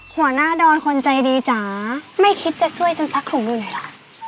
หัวหน้าดอนคนใจดีจ๊ะไม่คิดจะซ่วยฉันซักหลวงดูหน่อยล่ะ